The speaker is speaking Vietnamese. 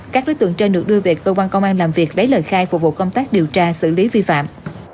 các đối tượng trên được đưa về cơ quan công an làm việc lấy lời khai phục vụ công tác điều tra xử lý vi phạm